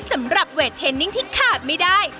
สำหรับเวทเทนนิ่งที่ขาดไม่ได้